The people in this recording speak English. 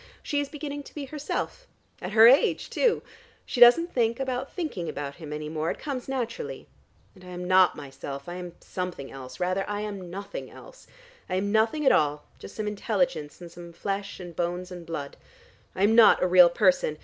She is beginning to be herself, at her age too! She doesn't think about thinking about him any more: it comes naturally. And I am not myself: I am something else: rather, I am nothing else: I am nothing at all, just some intelligence, and some flesh and blood and bones. I am not a real person.